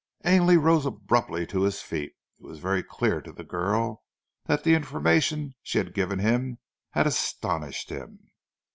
Ainley rose abruptly to his feet. It was very clear to the girl that the information she had given him had astonished him.